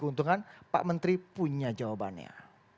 dan keuntungan pak menteri punya jawabannya